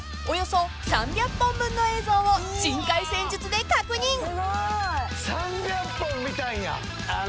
およそ３００本分の映像を人海戦術で確認］